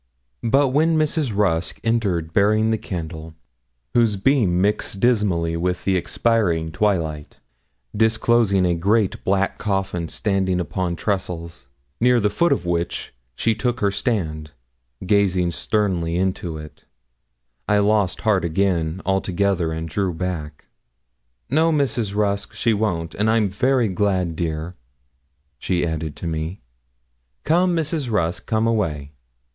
But when Mrs. Rusk entered bearing the candle, whose beam mixed dismally with the expiring twilight, disclosing a great black coffin standing upon trestles, near the foot of which she took her stand, gazing sternly into it, I lost heart again altogether and drew back. 'No, Mrs. Rusk, she won't; and I am very glad, dear,' she added to me. 'Come, Mrs. Rusk, come away.